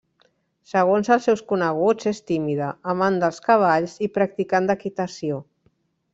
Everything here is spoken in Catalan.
Segons els seus coneguts, és tímida, amant dels cavalls i practicant d'equitació.